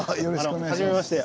はじめまして。